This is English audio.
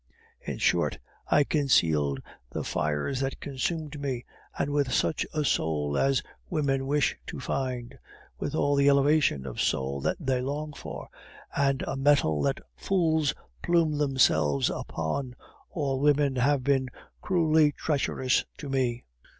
In short, I concealed the fires that consumed me, and with such a soul as women wish to find, with all the elevation of soul that they long for, and a mettle that fools plume themselves upon, all women have been cruelly treacherous to me.